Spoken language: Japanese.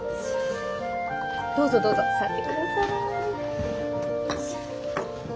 どうぞどうぞ座ってください。